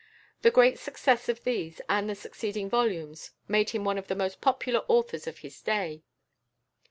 The great success of these and the succeeding volumes made him one of the most popular authors of his day.